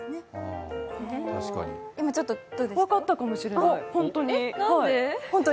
分かったかもしれない、本当に。